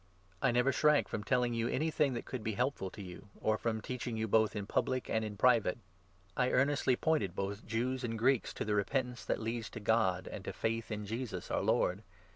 I never shrank 20 from telling you anything that could be helpful to you, or from 254 THE ACTS, 2O 21. teaching you both in public and in private. I earnestly pointed 21 both Jews and Greeks to the repentance that leads to God, and to faith in Jesus, our Lord.